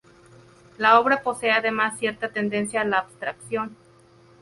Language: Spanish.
La obra posee además cierta tendencia a la abstracción.